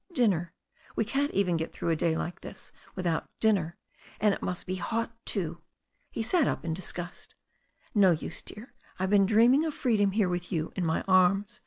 "Dinner! We can't even get through a day like this without dinner. And it must be hot too." He sat up in disgust "No use, dear. I've been dreaming of freedom here with you in my arms.